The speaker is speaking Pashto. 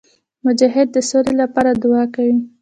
مجاهد د سولي لپاره دعا کوي.